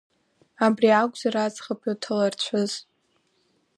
Абри акәзар аӡӷаб иҭалырцәыз?!